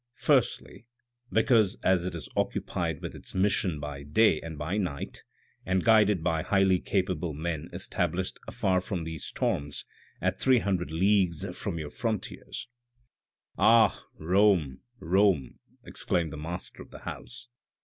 " Firstly, because as it is occupied with its mission by day and by night, and guided by highly capable men established far from these storms at three hundred leagues from your frontiers "" Ah, Rome, Rome !" exclaimed the master of the house.